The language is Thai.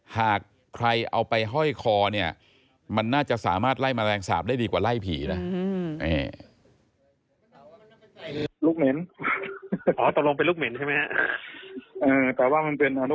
หากใครเอาไปห้อยคอเนี่ยมันน่าจะสามารถไล่แมลงสาปได้ดีกว่าไล่ผีนะ